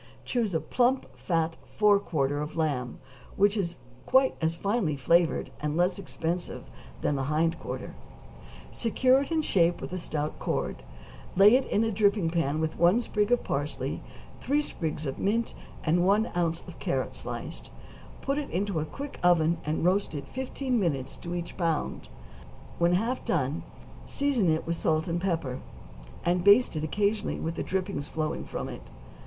= Choose a plump, fat fore quarter of lamb, which is quite as finely flavored and less expensive than the hind quarter; secure it in shape with stout cord, lay it in a dripping pan with one sprig of parsley, three sprigs of mint, and one ounce of carrot sliced; put it into a quick oven, and roast it fifteen minutes to each pound; when half done season it with salt and pepper, and baste it occasionally with the drippings flowing from it.